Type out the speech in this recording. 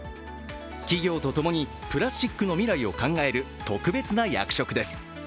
企業と共にプラスチックの未来を考える特別な役職です。